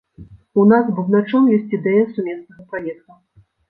У нас з бубначом ёсць ідэя сумеснага праекта.